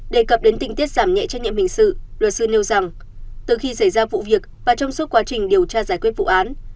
đề cập đến tình tiết giảm nhẹ trách nhiệm hình sự luật sư nêu rằng từ khi xảy ra vụ việc và trong suốt quá trình điều tra giải quyết vụ án